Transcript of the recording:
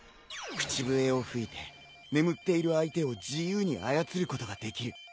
口笛を吹いて眠っている相手を自由に操ることができる。